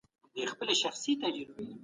افغانستان د پرمختګ او سرلوړي لپاره هڅې کوي.